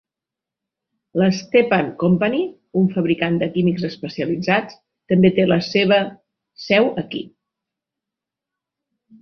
La Stepan Company, un fabricant de químics especialitzats, també té la seva seu aquí.